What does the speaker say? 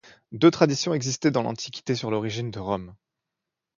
Deux traditions existaient dans l'Antiquité sur l'origine de Rome.